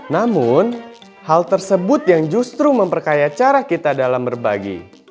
namun hal tersebut yang justru memperkaya cara kita dalam berbagi